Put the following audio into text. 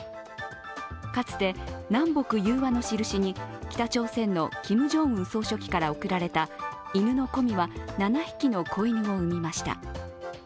かつて南北融和の印に北朝鮮のキム・ジョンウン総書記から贈られた犬のコミは７匹の子犬を産みました。